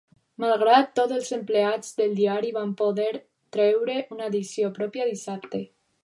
Malgrat tot els empleats del diari van poder treure una edició pròpia dissabte.